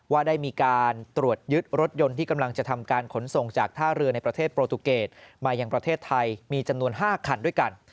ว่าได้มีการตรวจยึดรถยนต์ที่กำลังจะทำการขนส่งจากท่าเรือในประเทศโปรตุเกตมายังประเทศไทยมีจำนวน๕คันด้วยกัน